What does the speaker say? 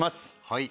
はい。